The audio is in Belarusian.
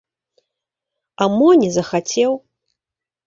А мо не захацеў.